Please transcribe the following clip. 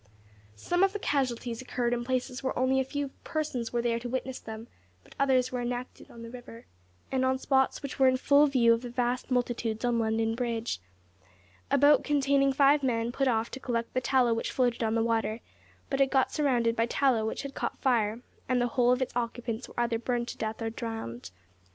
Some of the casualties occurred in places where only a few persons were there to witness them, but others were enacted on the river, and on spots which were in full view of the vast multitudes on London Bridge. A boat containing five men put off to collect the tallow which floated on the water, but it got surrounded by tallow which had caught fire, and the whole of its occupants were either burned to death or drowned.